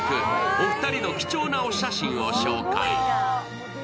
お二人の貴重なお写真を紹介。